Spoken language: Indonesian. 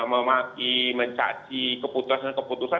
terus menghujat memaki mencaci keputusan keputusan